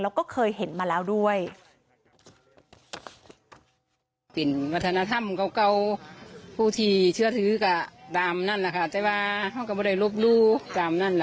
แล้วก็เคยเห็นมาแล้วด้วย